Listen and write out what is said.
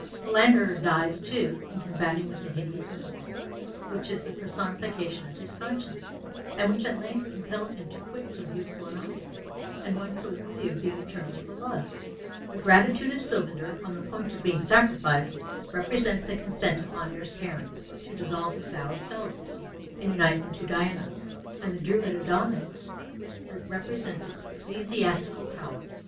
Philander dies too, in combating with a hideous Moor, which is the personification of his conscience, and which at length compelled him to quit so beautiful an object, and one so worthy of being eternally beloved. The gratitude of Sylvander, on the point of being sacrificed, represents the consent of Honoré's parents to dissolve his vow of celibacy, and unite him to Diana; and the druid Adamas represents ecclesiastical power.